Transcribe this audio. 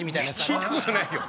聞いたことないよ。